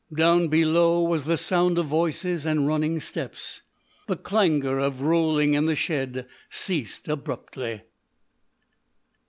Down below was the sound of voices and running steps. The clangour of rolling in the shed ceased abruptly.